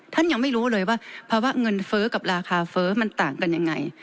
ยังไม่รู้เลยว่าภาวะเงินเฟ้อกับราคาเฟ้อมันต่างกันยังไง